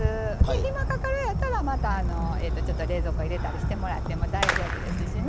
暇かかるようやったらまたちょっと冷蔵庫入れたりしてもらっても大丈夫ですしね。